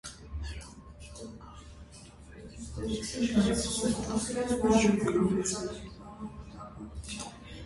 - Ներողություն, նախ թույլ տվեք իմ ասելիքս ասեմ,- նորից մեջ ընկավ Հեղինեն: